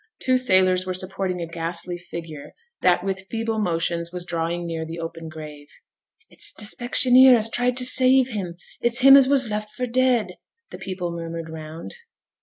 Two sailors were supporting a ghastly figure that, with feeble motions, was drawing near the open grave. 'It's t' specksioneer as tried to save him! It's him as was left for dead!' the people murmured round.